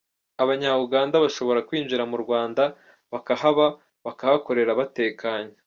Abanya-Uganda bashobora kwinjira mu Rwanda, bakahaba, bakahakorera batekanye.